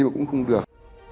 mà cũng không được